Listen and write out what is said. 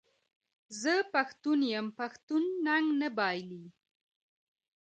زه پښتون یم پښتون ننګ نه بایلي.